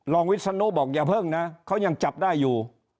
วิศนุบอกอย่าเพิ่งนะเขายังจับได้อยู่